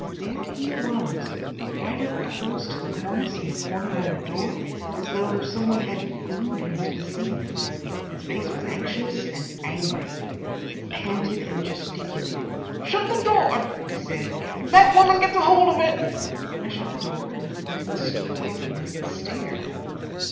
There he was right up close to the cornice in the corner by the door, as though some one had glued him to the ceiling. His face was anxious and angry. He panted and gesticulated. "Shut the door," he said. "If that woman gets hold of it—" I shut the door, and went and stood away from him and stared.